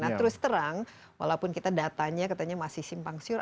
nah terus terang walaupun kita datanya katanya masih simpang siur